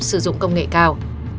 sử dụng công nghệ cao